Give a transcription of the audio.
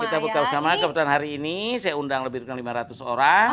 kita buka bersama kebetulan hari ini saya undang lebih lima ratus orang